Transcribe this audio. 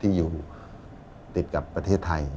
ที่อยู่ติดกับประเทศไทย